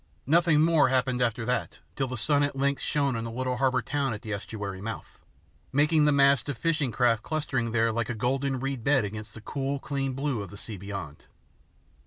Nothing more happened after that till the sun at length shone on the little harbour town at the estuary mouth, making the masts of fishing craft clustering there like a golden reed bed against the cool, clean blue of the sea beyond.